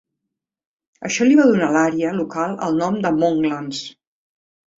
Això li va donar a l'àrea local el nom de Monklands.